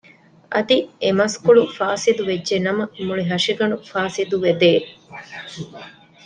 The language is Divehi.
އަދި އެ މަސްކޮޅު ފާސިދު ވެއްޖެ ނަމަ މުޅި ހަށިގަނޑު ފާސިދު ވެދޭ